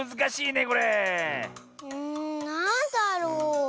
んなんだろう。